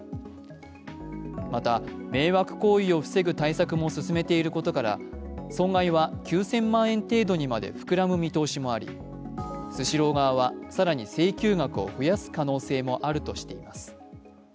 また迷惑行為を防ぐための対策も進めていることから、損害は９０００万円程度にまで膨らむ見通しもありスシロー側は更に請求額を増やす可能性もあるとしています。